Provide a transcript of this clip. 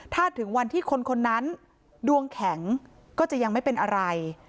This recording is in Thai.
ถ้าถึงวันที่คนคนนั้นดวงแข็งก็จะยังไม่เป็นอะไร